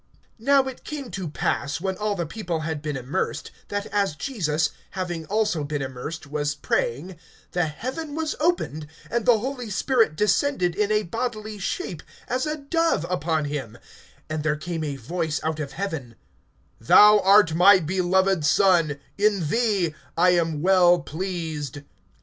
(21)Now it came to pass, when all the people had been immersed, that as Jesus, having also been immersed, was praying, the heaven was opened, (22)and the Holy Spirit descended in a bodily shape as a dove upon him; and there came a voice out of heaven: Thou art my beloved Son; in thee I am well pleased.